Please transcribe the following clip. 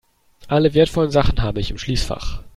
Alle wertvollen Sachen habe ich im Schließfach.